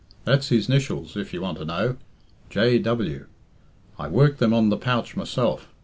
That's his 'nitials, if you want to know J. W. I worked them on the pouch myself.